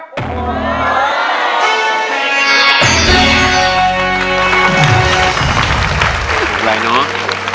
เป็นไรเนอะ